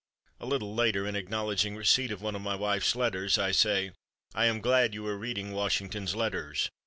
A little later, in acknowledging receipt of one of my wife's letters, I say: "I am glad you are reading Washington's letters.